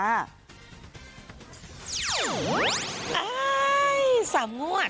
อ้ายสามงวด